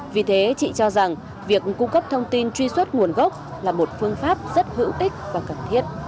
vì thế chị cho rằng việc cung cấp thông tin truy xuất nguồn gốc là một phương pháp rất hữu ích và cần thiết